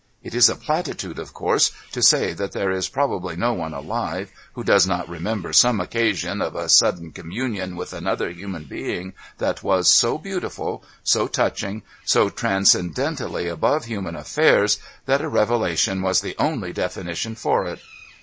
It is a platitude, of course, to say that there is probably no one alive who does not remember some occasion of a sudden communion with another human being that was so beautiful, so touching, so transcendentally above human affairs that a revelation was the only definition for it.